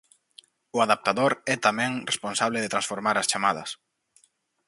O adaptador é tamén responsable de transformar as chamadas.